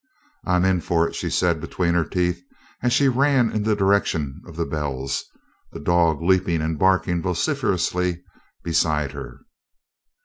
"I'm in for it," she said between her teeth as she ran in the direction of the bells, the dog leaping and barking vociferously beside her.